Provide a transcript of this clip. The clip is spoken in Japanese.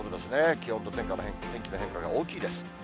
気温と天気の変化が大きいです。